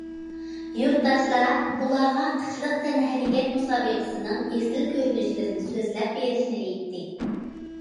يۇرتداشلار ئۇلارغا قىشلىق تەنھەرىكەت مۇسابىقىسىنىڭ ئېسىل كۆرۈنۈشلىرىنى سۆزلەپ بېرىشنى ئېيتتى.